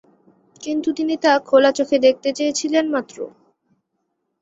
কিন্তু তিনি তা খোলা চোখে দেখতে চেয়েছিলেন মাত্র।